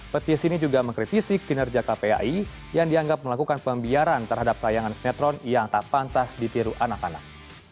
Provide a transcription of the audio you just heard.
petis ini juga mengkritisi kinerja kpai yang dianggap melakukan pembiaran terhadap tayangan sinetron yang tak pantas ditiru anak anak